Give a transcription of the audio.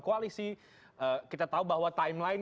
koalisi kita tahu bahwa timeline